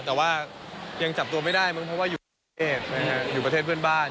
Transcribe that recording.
แต่ว่ายังจับตัวไม่ได้เพราะว่าอยู่ประเทศอยู่ประเทศเพื่อนบ้าน